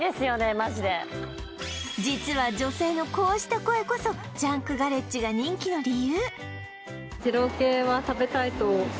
マジで実は女性のこうした声こそジャンクガレッジが人気の理由